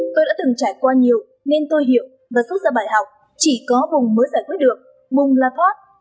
tôi đã từng trải qua nhiều nên tôi hiểu và rút ra bài học chỉ có bùng mới giải quyết được bùng là thoát